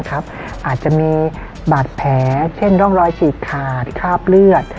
อาจจะมีบาดแผลเช่นร่องรอยฉีกขาดคราบเลือด